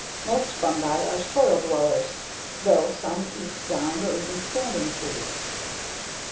Most fungi are soil dwellers though some eat downed or even standing trees.